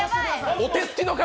お手すきの方！